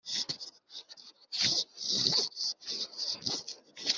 hanyuma umunwa we wo hasi uhinda umushyitsi